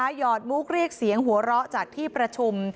หยอดมุกเรียกเสียงหัวเราะจากที่ประชุม